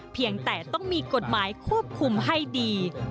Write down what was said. เพียงแต่ต้องมีกฎหมายควบคุมให้ดี